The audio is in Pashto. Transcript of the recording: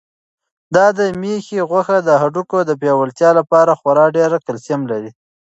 دا د مېښې غوښه د هډوکو د پیاوړتیا لپاره خورا ډېر کلسیم لري.